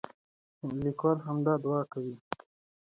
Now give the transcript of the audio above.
لیکوال همدا دعا کوي.